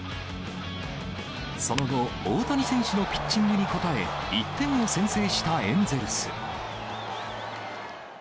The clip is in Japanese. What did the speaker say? その後、大谷選手のピッチングに応え、１点を先制したエンゼルス。